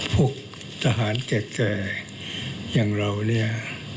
พวกทหารแก่อย่างเราเนี่ย